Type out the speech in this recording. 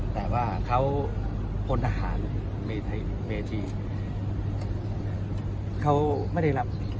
แต่ว่าเขาพนหาลเมธี